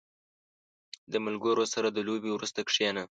• د ملګرو سره د لوبې وروسته کښېنه.